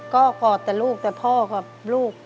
ก็กอดแต่ลูกแต่พ่อกับลูก